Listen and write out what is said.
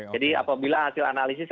jadi apabila hasil analisis